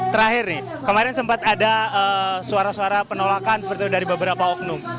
terakhir nih kemarin sempat ada suara suara penolakan seperti itu dari beberapa oknum